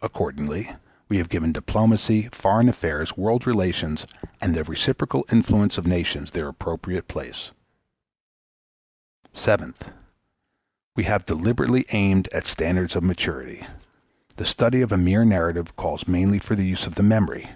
Accordingly we have given diplomacy, foreign affairs, world relations, and the reciprocal influences of nations their appropriate place. Seventh. We have deliberately aimed at standards of maturity. The study of a mere narrative calls mainly for the use of the memory.